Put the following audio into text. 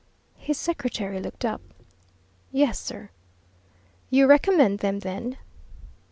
His secretary looked up. "Yes, sir." "You recommend them then?"